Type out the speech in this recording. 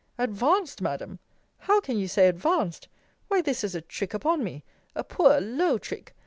Advanced, Madam! How can you say advanced? Why, this is a trick upon me! A poor low trick!